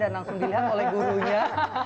dan langsung berarti dapat nilai bagus nih kayaknya ya